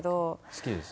好きです。